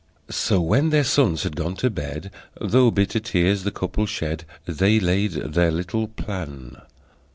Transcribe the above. So when their sons had gone to bed, Though bitter tears the couple shed, They laid their little plan.